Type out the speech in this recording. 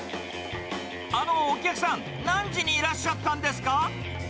あの、お客さん、何時にいらっしゃったんですか？